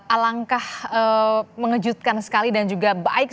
alangkah mengejutkan sekali dan juga baik